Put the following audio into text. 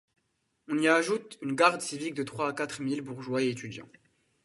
On y ajouta une garde civique de trois à quatre mille bourgeois et étudiants.